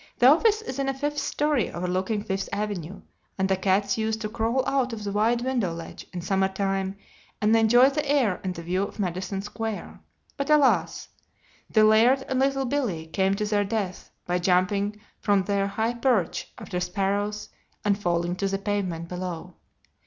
The office is in a fifth story overlooking Fifth Avenue: and the cats used to crawl out on the wide window ledge in summer time and enjoy the air and the view of Madison Square. But alas! The Laird and Little Billee came to their deaths by jumping from their high perch after sparrows and falling to the pavement below.